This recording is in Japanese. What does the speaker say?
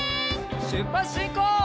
しゅっぱつしんこう！